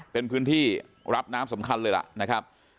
เป็นพื้นที่รับน้ำสำคัญเลยล่ะนะครับ